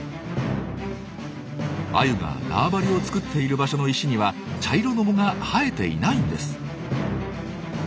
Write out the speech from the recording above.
アユが縄張りを作っている場所の石には茶色の藻が生えていないんです。